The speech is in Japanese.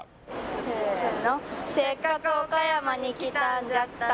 せーの「せっかく岡山に来たんじゃったら」